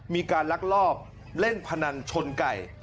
มีการลักลอบเล่นพนันชนไก่